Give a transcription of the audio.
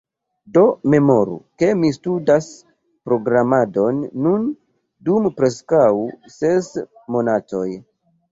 Do memoru, ke mi studas programadon nun dum preskaŭ ses monatoj.